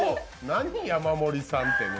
何、山盛りさんって。